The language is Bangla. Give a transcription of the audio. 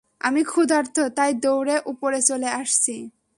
আমি ক্ষুধার্ত তাই দৌড়ে উপরে চলে আসছি।